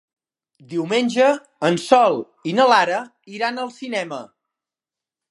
Diumenge en Sol i na Lara iran al cinema.